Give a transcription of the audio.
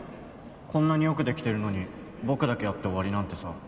こんなによくできてるのに僕だけやって終わりなんてさ